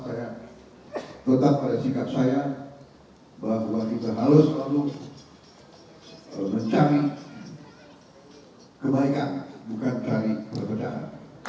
saya tetap pada sikap saya bahwa kita harus perlu mencari kebaikan bukan mencari perbedaan